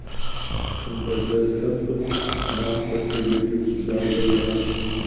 Хъымбэзэр лъэпкъым Нахъуэкӏэ еджэу зы щӏалэ яӏащ.